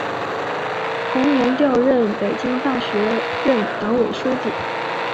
同年调任北京大学任党委书记。